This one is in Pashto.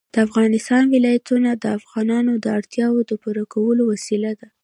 د افغانستان ولايتونه د افغانانو د اړتیاوو د پوره کولو وسیله ده.